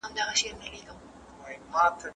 زه پرون مېوې راټولې کړې؟